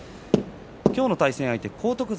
今日の対戦相手、荒篤山